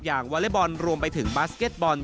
อย่างวาเลบอลรวมไปถึงบาสเก็ตบอล